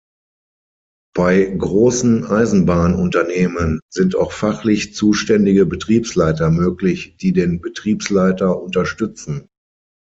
Bei großen Eisenbahnunternehmen sind auch fachlich zuständige Betriebsleiter möglich, die den Betriebsleiter unterstützen.